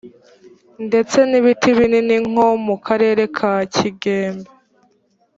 ndetse n ibiti binini nko mu karere ka kigembe